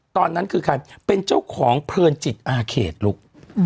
ตอนนั้นคือใครเป็นเจ้าของเพลินจิตอาเขตลูก